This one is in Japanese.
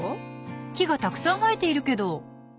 木がたくさん生えているけど。